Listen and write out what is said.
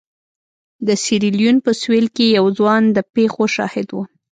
د سیریلیون په سوېل کې یو ځوان د پېښو شاهد و.